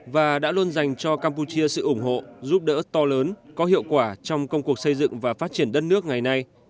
và đã luôn dành cho campuchia sự ủng hộ giúp đỡ to lớn có hiệu quả trong công cuộc xây dựng và phát triển đất nước ngày nay